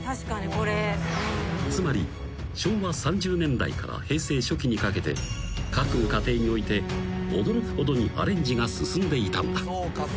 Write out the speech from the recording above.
［つまり昭和３０年代から平成初期にかけて各家庭において驚くほどにアレンジが進んでいたのだ］